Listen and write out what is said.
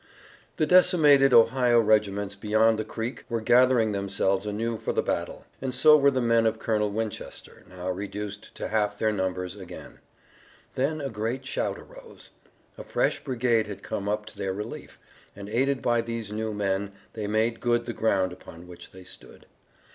The decimated Ohio regiments beyond the creek were gathering themselves anew for the battle, and so were the men of Colonel Winchester, now reduced to half their numbers again. Then a great shout arose. A fresh brigade had come up to their relief, and aided by these new men they made good the ground upon which they stood.